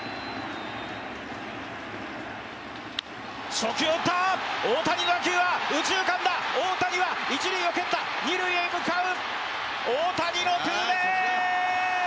初球を打った、大谷の打球は右中間だ、大谷は一塁を蹴った、二塁へ向かう。